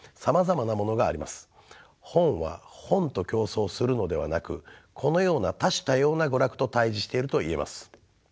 本は本と競争するのではなくこのような多種多様な娯楽と対じしているといえます。